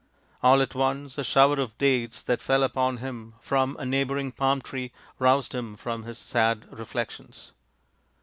All at once a shower of dates that fell upon him from a neighbouring palm tree roused him from his sad reflections.